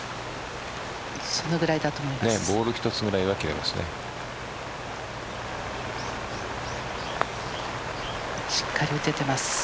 そのぐらいだと思います。